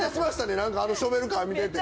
あのショベルカー見てて。